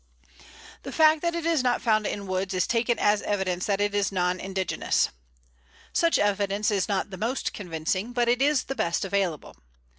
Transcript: The fact that it is not found in woods is taken as evidence that it is non indigenous. Such evidence is not the most convincing, but it is the best available.